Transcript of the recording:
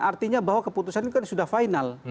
artinya bahwa keputusan itu kan sudah final